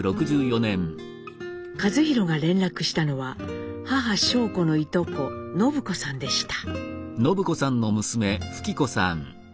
一寛が連絡したのは母尚子のいとこ宣子さんでした。